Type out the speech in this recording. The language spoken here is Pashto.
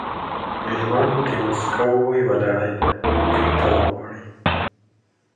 • ژوند د موسکاو یوه لړۍ ده، که ته وغواړې.